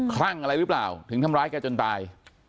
คลั่งอะไรหรือเปล่าถึงทำร้ายแกจนตาย